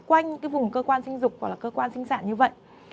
quanh cái vùng cơ quan sinh dục hoặc là cơ quan sinh sản như vậy